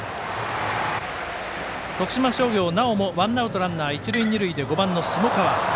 徳島商業、なおもワンアウトランナー、一塁二塁で５番の下川。